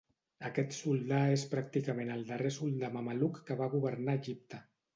Aquest soldà és pràcticament el darrer soldà mameluc que va governar Egipte.